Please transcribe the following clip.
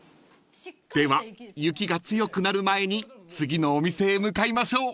［では雪が強くなる前に次のお店へ向かいましょう］